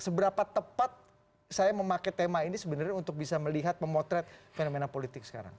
seberapa tepat saya memakai tema ini sebenarnya untuk bisa melihat memotret fenomena politik sekarang